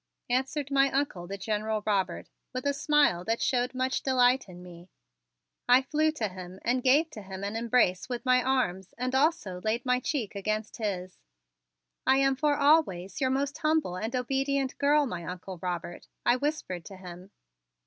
answered my Uncle, the General Robert, with a smile that showed much delight in me. I flew to him and gave to him an embrace with my arms and also laid my cheek against his. "I am for always your most humble and obedient girl, my Uncle Robert," I whispered to him.